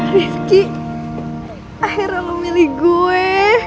rizky akhirnya lo milih gue